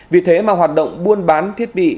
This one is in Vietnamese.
vì thế mà hoạt động buôn bán thiết bị